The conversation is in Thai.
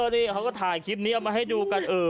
นี่เขาก็ถ่ายคลิปนี้เอามาให้ดูกัน